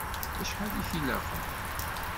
Acḥal i k-ilaqen?